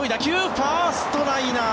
ファーストライナー。